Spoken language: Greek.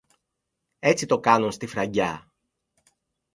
Έτσι το κάνουν στη Φραγκιά.